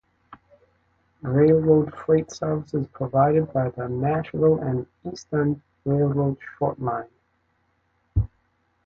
Railroad freight service is provided by the Nashville and Eastern Railroad short line.